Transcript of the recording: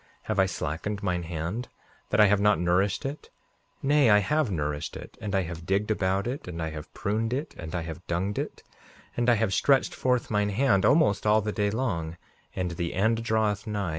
Have I slackened mine hand, that I have not nourished it, Nay, I have nourished it, and I have digged about it, and I have pruned it, and I have dunged it; and I have stretched forth mine hand almost all the day long, and the end draweth nigh.